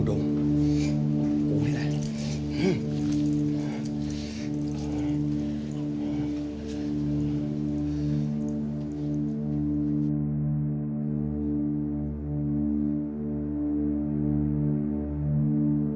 โอเคโอเค